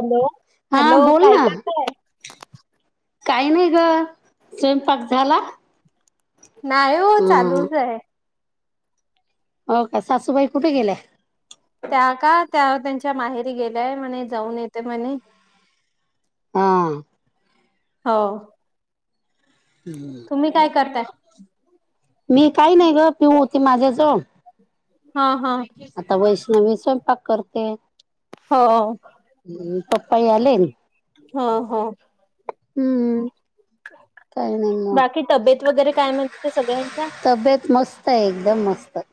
Hello हा, hello बोल काय ना. करताय? काही नाही ग, स्वयंपाक झाला. नाही हो, हम्म चालूच आहे. हो काय, सासूबाई कुठे गेल्या? त्या का, त्या त्यांच्या माहेरी गेल्याय. म्हणे जाऊन येते म्हणे. हम. हो. हम्म. तुमी काय करताय? मी काही नाही ग, पिऊ होते माझ्याजवळ हा हा.. आता वैष्णवी स्वयंपाक करते. हो. म् पप्पाआई आलेन, हो हो. हम्म काही नाही म, बाकी तब्येत वगैरे काय म्हणते सगळ्यांच्या? तब्येत मस्त आहे एकदम मस्त.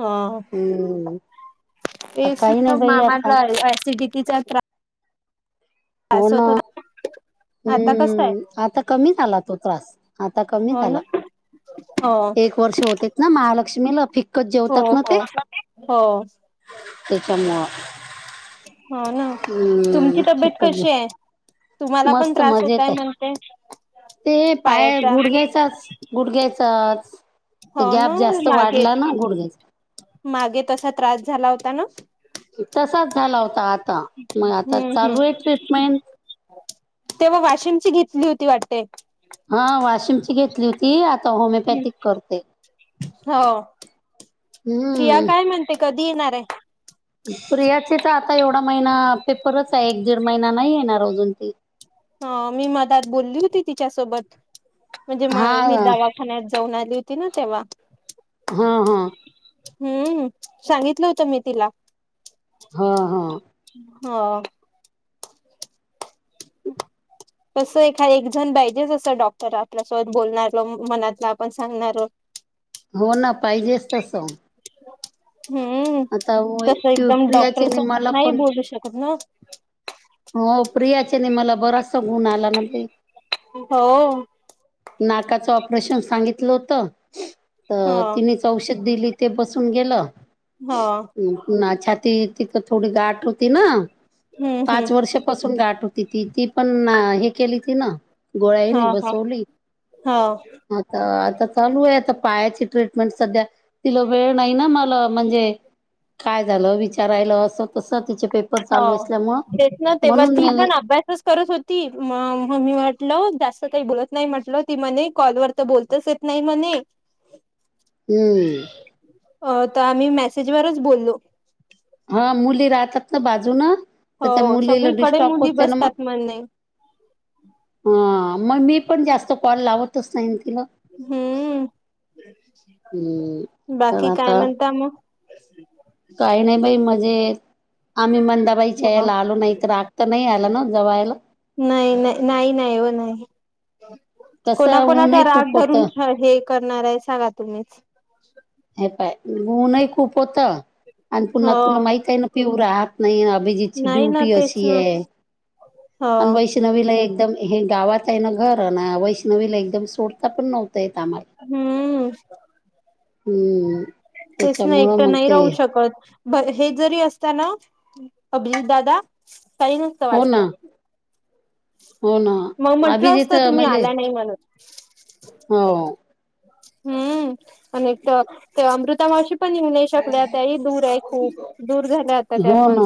हो हम्म आता तेच काही नाही बाई आता मामाला ऍसिडिटी चा त्रास हो ना होत होता आता कसं आहे? हम्म आता कमी झाला तो त्रास आता कमी हो ना झाला हो एक वर्ष होते ना महालक्ष्मीला फिक हो हो हो त्याच्यामुळं हो ना हम्म तुमची तब्येत फिक्कच जेव कशी आहे तुम्हाला पण मस्त त्रास मजेत होताय आहे म्हणते ते पाया पायाचा गुड घ्यायचाच गुडघ्यायचाच हो ना गॅप जास्त मागे वाढला ना गुडघ्यायचा मागे तसा त्रास तसाच झाला होता आता मग आता हम्म चालू आहे हम्म ट्रीटमेंट तेव्हा वाशिमची घेतली होती हा हम्म [inaudible] प्रियाचे तर आता एवढा महिना पेपरच आहे एक दीड महिना नाही आहे ना अजून ती हो मी मदात बोलली होती तिच्यासोबत म्हणजे हा मी हा दवा ठाण्यात जाऊन आली होती ना तेव्हा हां हां हम्म सांगितलं होतं मी तिला हा हा हा [unintelligible] तसं एखाद एक जण पाहिजेचसं डॉक्टर आपल्यासोबत बोलणारल मनातला आपण सांगणारल हो ना पाहिजेच तसं हम्म आता तस एकदम प्रियाचे मला डॉक्टरसोबत नाही पण बोलू शकत ना हो प्रिया ने मला बरासा गुण आला ना ते हो नाकाचं ऑपरेशन सांगितलं होत ह तर तिने औषध दिली ते बसून गेलं हा पु्हा छाती तिथं थोडी गाठ होती ना हम्म हम्म पाच वर्ष पासून गाठ होती ती ती पण हे केली ती ना गोळाने हा हा बसवली हा आता आता चालू आहे आता पायाची ट्रीटमेंट सध्या तिला वेळ [inaudible] हो असल्यामुळं तेच ना तेव्हा म्हणून मी ती पण अभ्यास करत होती म मी म्हटलं जास्त काही बोलत नाही म्हटलं ती म कॉलवर तर बोलतच येत नाही म्हणे हम्म अ तर आम्ही मेसेजवरच बोललो हा मुली राहतात ना बाजून ना तर त्या हो मुलीला सगळीकडे डिस्टॉप मुली होते ना मग बसतात म्हणे हा मग मी पण जास्त कॉल लावतच नाहीन तिला हम्म. हम्म बाकी तर आता [inaudible] काही नाही बाई म्हणजे आम्ही मंद हो याला आलू नाही तर रागत नाही आला ना जवायला नाही नाही नाही नाही हो नाही कसं कोणाकणाचा ऊनही राग खूप धरून होतं हे करणार आहे सांगा तुम्हीच हे पाय ऊनही खूप होत आणि पुन्हा हो तुला माहित आहे न पिऊ राहत नाही अभिजीतची नाही ना ड्युटी तेच अशी ना आहे आणि हो. वैष्णवी वैष्णवीला एकदम हे गावात आहे ना घर ना वैष्णवीला एकदम सोडता पण नव्हत येत आम्हाला हम्म हम्म तेच नाही त्याच्यामुळं एकटं मग नाही ते राहू शकत हे जरी असताना अभिजितदादा काही नसतं हो ना वाटलं हो ना मग अभी म्हंटलं जेत असतं तुम्ही म्हणजे आला नाही म्हणून हो हम्म आणि ते अमृता मावशी पण येऊ नाही शकल्याता ह दूर आहे खूप दूर झाल्या आता त्या हो पण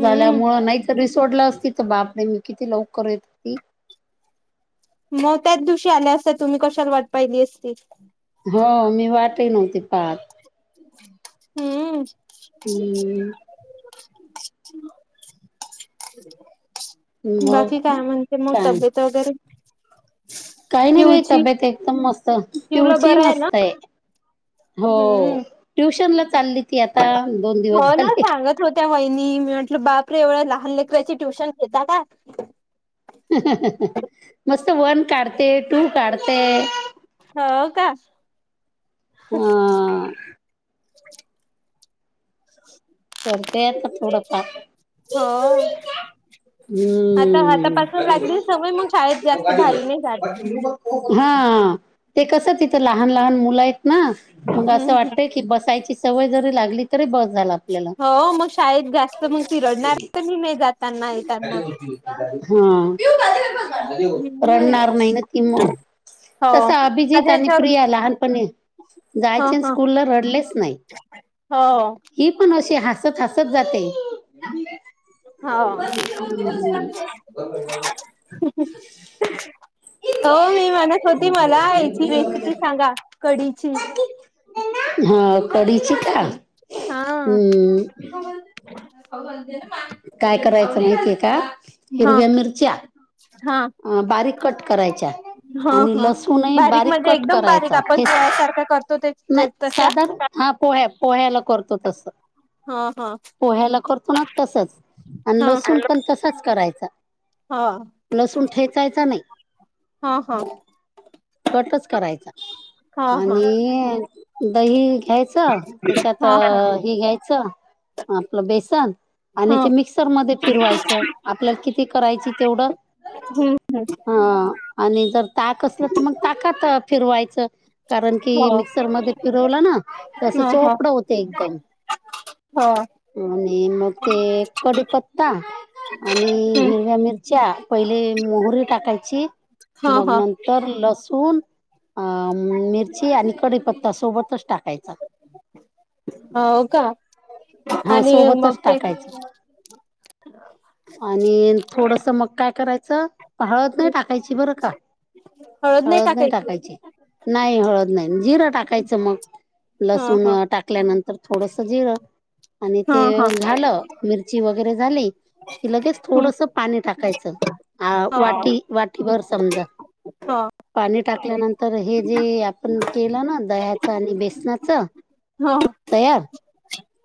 हम् रिसोर्ट ला असतील तर बाप ने मी किती लव करत मग त्याच दिवशी आल्या असतात तुम्ही कशाला वाट पाहिली असती हो मी वाटही नव्हती पाक हम्म हम्म ह मग बाकी काय म्हणजे मग काय तब्येत वगैरे काही नाही बाई पिऊची तब्येत एकदम मस्त पिऊला पिवची बरं ना मस्त आहे हो हम्म ट्युशन ला चालली ती आता दोन दिवस हो ना झाले सांगत होत्या वहिणी म्हटलं बापरे एवढ्या लहान लेकची ट्युशन घेता का मस्त वन काढते टू काढते हो का [inaudible] हा करते आता थोडंफार हो आता हम्म आतापासून लागली सवय मग शाळेत जास्त भारी नाही झाली हा ते कसं तिथं लहान लहान मुलं आहेत ना मग असं वाटतय की बसायची सवय जरी लागली तरी बस झाला आपल्याला हो मग शाळेत जास्त मग रडणार तर मी नाही जाताना येताना हा हम्म रडणार नाही ना कि मग हो तसा अभिजीत माझ्या आणि याच्यावर प्रिया लहानपणी ह जायचे ह स्कूलला रडलेच नाही हो ही पण अ हसत हसत जाते हो झा हो मी म्हणत होती मला याची रेसिपी सांगा कढीची हा कडी ची का हा हम्म काय करायचं येते का हा हिरव्या मिरच्या हा अ बारीक कट करायच्या हा आणि हा लसूणही बारीक म्हणजे कट एकदम बारीक करायचा आपण ठेस पोळ्यासारखा करतो ते ते नाही तशा साधारन हा पोह्या पोह्याला करतो हा हा पोहाला करतो ना तसच आणि हा लसून पण तसाच करायचा. हा. लसूण ठेचायचा नाही. हा हा. कटच करायचा. हा हा आणि दही घ्यायचं त्याच्यात हा हा अ, हे घ्यायच आपलं बेसन आणि हा म्स र मध्ये फिरवायचं आपल्याला किती करायची तेवढं. हम्म हा आणि जर ताक असलं तर मग ताकात फिरवायचं. कारण की हो मिक्सरमध्ये पिरवलं ना तरं ह ह चोपडं होते एकदम. ह आणि मग ते कडीपत्ता आणि हम्म हिरव्या मिरच्या पहिले मोहरी टाकायची. हा हा. तर लसूणं अ मिर्ची आणि कडीपत्ता सोबतंच टाकांयंचा. ह हवं कां हा आणि मंग सोबतच ते टाकायचं आणि थोडंसं मंग कायं करायचं हळंद नाहीं हं, टांक टाकांयची बरं कां हळद नाही हळंद नाहीं टाकायची टाकांयची नाहीं हळंद नाहीं जिरं टाकांयचं मंग हा लसूणं हा टाकां टाकल्यांनंतर थोडंसं जिरं आणि हा ते हा झालं मिर्ची वगैरें झालीं किं लगेचं हम्म थोडंसं पाणी टाकांयचं हा वाटी वाटीभंर समजां हा पाणी टाकल्यांनंतर हे जे आपणं केलं नां दह्याचं आणि बेसनांचं हो तयांर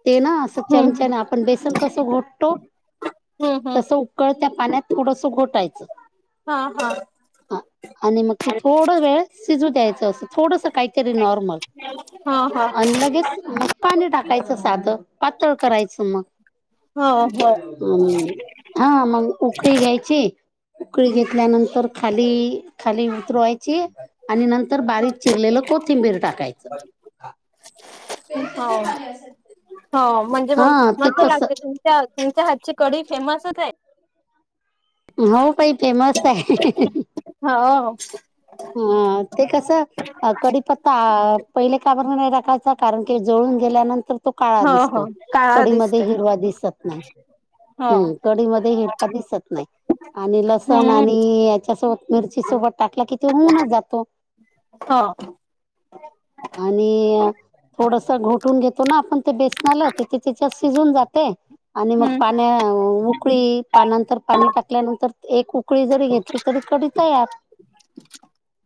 ते नां असं हम्म चमच्याने आपणं बेसन कसं घोटतो. हम्म हम्म तसं उकळं त्या पाण्यांत थोडंसं घोटांयचं. हां हां. हां. आणि मंग ती थोडं वेळ शिजू द्यायचं असं थोडंसं कांहीतरी नॉरर्मल हां हां. लगेचं मंग पाणी टाकांयचं साधं पातंळ करांयचं मंग. हो हो हम्मं हां मंग उकळी घ्यांयची उकळी घेतल्यांनंतर तरं खाली खाली उतरवांयंची आणि नंतर बारीक चिरलेलं कोथिंबीर कोथिंबीर टाकांयचं. होवं होवं म्हणजे मंग हा ते मस्तं तस लागते तु तुमच्यां तुमच्यां हातंची कढी फेमसंचं आहे? होव बाई फेमसं आहे. होव हम्मं ते कसं कडीपत्तां पहिलें कां बरं नाहीं टाकांयचां. कारणं की जळूंन गेल्यांनंतर तो काळां हो हो दिसंतो काळा कडीमंध्ये दिसते हिरवां दिसतं नाहीं. हो हम्मं कढी मध्यें हिरवां दिसतं नाहीं आणि लसूणं हम्म आणि यांच्यांसोबत मिर्ची सोबतं टांकलां कि ते होऊनंच जातो. [inaudible] [unintelligible] आणि थोडंसं घोटून घेतों नां आपणं ते बेसनांला तिथं त्यांच्यात शिजून जाते. आणि मंग हम्म पाण्यांत उकळी पानंतर पाणी टाकल्यांनंतर एक उकळी जरी घेतलीं तरी कढी तयांर.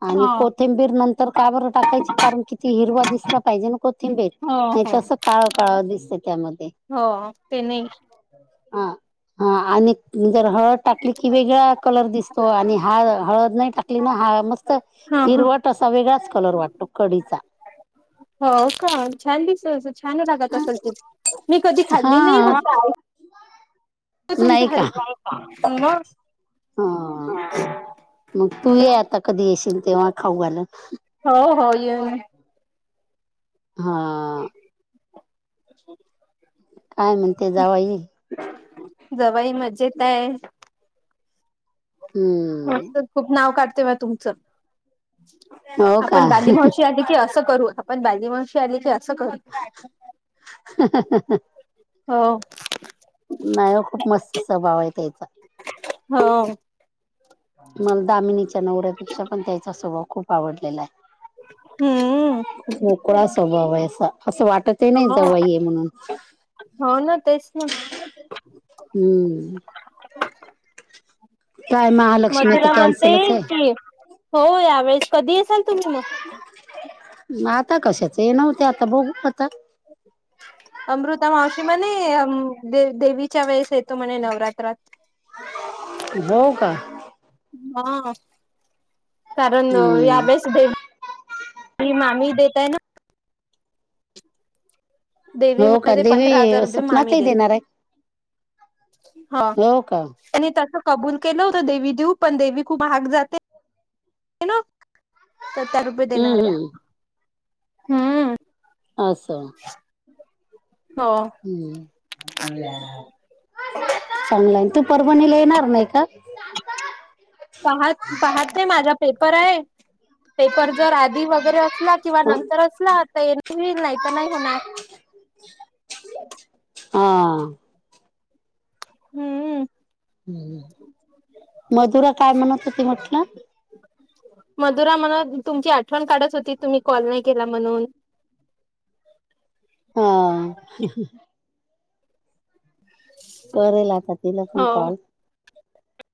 आणि हो कोथिंबीर नंतर का बरं टाकायंची कारणं किती हिरवा दिसलां पाहिजे नां. कोथिंबीर हो नाहीं तसं काळं काळं दिसतं त्यांमध्ये. होव ते नाहीं हां हां आणि जर हळंद टांकली की वेगळां कलर दिसतं तो आणि हाळ हळंद नाहीं टांकली नां हाळ मस्तं ह ह हिरवट असां वेगळांच कलर वाटतो कंडीचा हो कां छांन दिसलं छांन रांगत असलं तू मी कधीं खांल्ली नाहीं हा हो आले कां नाही तुमच्यां घरी पाहूणे हां मंग तू ये आतां कधीं येशीलं तेव्हां खाऊं घालंन होव होव येऊन हां [unintelligible] कायं म्हणते जावांई जवाई मजेतं आहे मस्तं हम्म खूंप नांव काढते बाॅ तुमचं हो का आपणं बांदी मावशी आली की असं करूं पण बाजी माणशी आली की असं करू ह हो. नाही हो खूप मस्त स्वभाव आहे त्याचा. हा. मला दामिनीच्या नवऱ्यापेक्षा पण त्याचा स्वभाव खूप आवडलेला आहे. हम्म! मोकळा स्वभाव आहे असं वाटत ते नाही जाव ये म्हणून हो ना तेच ना हम्म काय महालक्ष्मी आता मधुरा म्हणते कॅन्सलच आहे की हो यावेेळेस कधी येसाल तुम्ही मग आता कशाच हे नव्हते आता बघ आता ह अमृता मावशी म्हणे देवीच्या वेळेस येतो म्हणे नवरात्रात हो का हा काररण हम्म व्याभ्यास दे ही मामी देतय ना हो देवी का मध्ये देवी पंधरा हजार रुपये मामी स्वपनातही देणार देतय आहे नव का आणि तस कबूल केलं होतं देवी देऊ पण देवी खूप हहाग जाते न सत रुपये देणार हम्म आहे हम्म हम्म अससं हो चांगला तू परवाणीला येणार नाही का पाह पाहत नाही माझा पेपर आहे पेपर जर आधी वगैरे असला किंवा नंतर असला तर ये नाही तर नाही होणार हा हम्म मधुरा काय म्हणत होती म्हटलं मधुरा म्हण तुमची आठवण काढत होती तुम्ही कॉल नाही केला म्हणून हा करेल आता तिला पण हो कॉल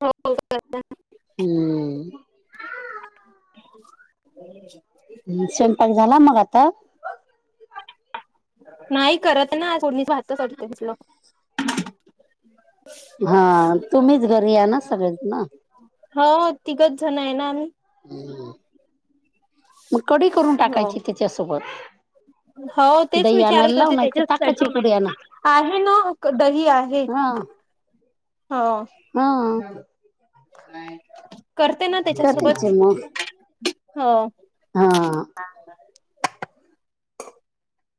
हो हम्म ह स्वयंपाक झाला मग आता नाही करत ना कोोणी भात सा त्यांतलं हा तुम्हीच घरी या ना सगळे ना हो तिघच जण आहे ना आम्ही ह् मग कढी करून हो टाकायची त्याच्यासोबत हो तेच दही आणायला विचारत लाव होते नाही तर ताकाची त्याच्याचसाठी पुडी आणा आहे ना दही आहे हा हो हा करते ना त्याच्यासोबत करायचे मग हो हा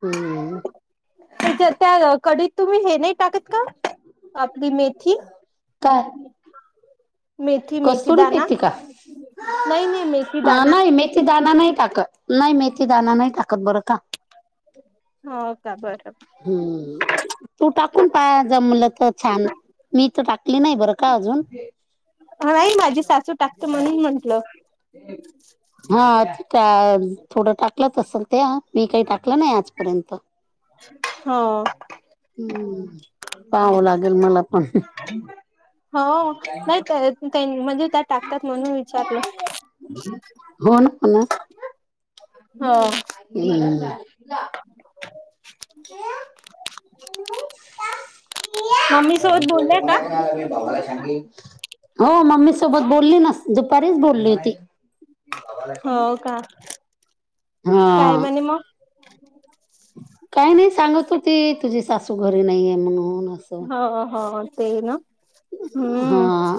हम्म त्या कढीत तुम्ही हे नाही टाकत का आपली मेथी काय मेथी कस्तुरी दाना मेथी का नाही नाही मेथी दाना नाही मेथी दाना नाही टाकत नाही मेथी दाना नाही टाकत बरं का हो का बर बर हम्म तू टाकून पाय जमलं तर छान मी तर टाकली नाही बरं का अजून नाही माझी सासू टाकते म्हणून म्हंटलं हा थोडं टाकलंच असेल ते मी काही टाकलं नाही आजपर्यंत हो हम् पावं लागेल मला पण हो नाही म्हणजे त्या टाकतात म्हणून विचारलं हो ना हो ना हो हम्म ह मम्मी पिया मग सोबत तू बोलल्या का म्हणायचं नाही ना मी बाबाला सांगली हो मम्मी सोबत बोलली न दुपारीच बोलली होती हो का हा काय म्हणे मग काही नाही सांगत होती तुझी सासू घरी नाहीये म्हणून असं हो हो तेई ना हम्म हा